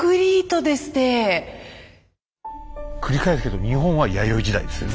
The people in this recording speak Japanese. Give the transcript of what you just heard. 繰り返すけど日本は弥生時代ですよね？